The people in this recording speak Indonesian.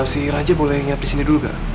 si raja boleh nyap disini dulu gak